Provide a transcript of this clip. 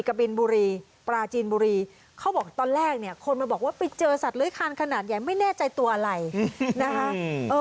กบินบุรีปราจีนบุรีเขาบอกตอนแรกเนี่ยคนมาบอกว่าไปเจอสัตว์เลื้อยคานขนาดใหญ่ไม่แน่ใจตัวอะไรนะคะ